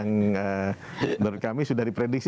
yang menurut kami sudah diprediksi